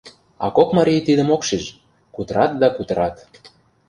А кок марий тидым ок шиж — кутырат да кутырат...